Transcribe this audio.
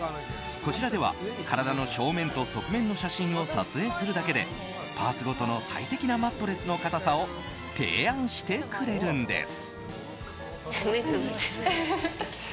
こちらでは、体の正面と側面の写真を撮影するだけでパーツごとの最適なマットレスの硬さを提案してくれるんです。